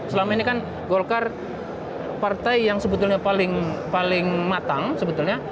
selama ini kan golkar partai yang sebetulnya paling matang sebetulnya